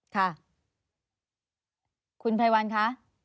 ค่ะคุณภัยวัลคะ